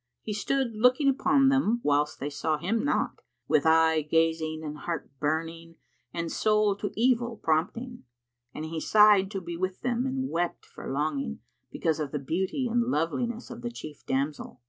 He stood looking upon them whilst they saw him not, with eye gazing and heart burning and soul[FN#54] to evil prompting; and he sighed to be with them and wept for longing, because of the beauty and loveliness of the chief damsel.